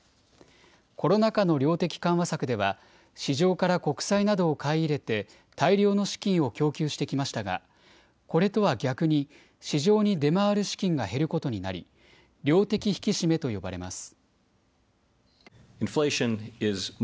コロナ禍の量的緩和策では、市場から国債などを買い入れて、大量の資金を供給してきましたが、これとは逆に、市場に出回る資金が減ることになり、量的引き締めと呼ばれます。